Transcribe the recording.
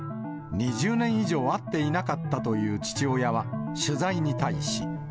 ２０年以上会っていなかったという父親は、取材に対し。